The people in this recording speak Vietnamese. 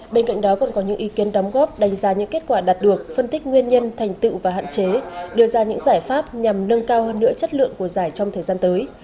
bên cạnh đó còn có những ý kiến đóng góp đánh giá những kết quả đạt được phân tích nguyên nhân thành tựu và hạn chế đưa ra những giải pháp nhằm nâng cao hơn nữa chất lượng của giải trong thời gian tới